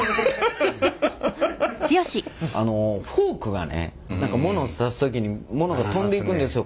あのフォークがね何かもの刺す時にものが飛んでいくんですよ。